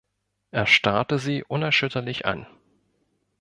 Er starrte sie unerschütterlich an.